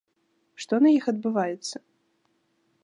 Што на іх адбываецца?